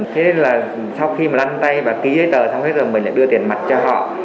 thế nên là sau khi mà lăn tay và ký giấy tờ xong hết rồi mình lại đưa tiền mặt cho họ